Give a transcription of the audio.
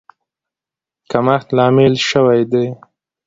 کمښت لامل شوی دی.